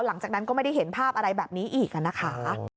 หลังจากนั้นก็ไม่ได้เห็นภาพอะไรแบบนี้อีกนะคะ